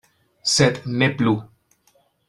Sed ne plu.